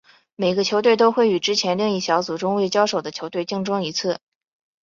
每个球队都会与之前另一小组中未交手的球队竞争一次。